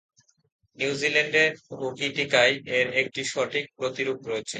নিউজিল্যান্ডের হোকিটিকায় এর একটি সঠিক প্রতিরূপ রয়েছে।